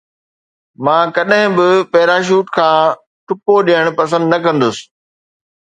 مان ڪڏهن به پيراشوٽ تان ٽپو ڏيڻ پسند نه ڪندس